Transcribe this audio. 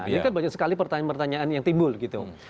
ini kan banyak sekali pertanyaan pertanyaan yang timbul gitu